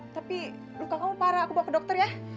tapi luka kamu para aku bawa ke dokter ya